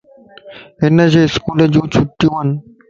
ھنجي اسڪولَ جون چھٽيون وَن